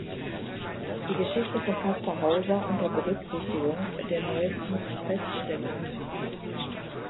Die Geschichte von Kaspar Hauser unter Berücksichtigung der neuesten Feststellung".